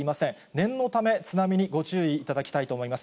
念のため、津波にご注意いただきたいと思います。